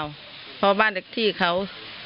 เพราะบ้านเล็กที่เขา